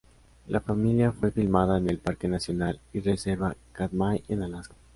La familia fue filmada en el Parque nacional y reserva Katmai en Alaska.